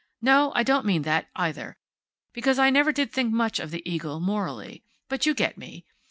No, I don't mean that, either, because I never did think much of the eagle, morally. But you get me.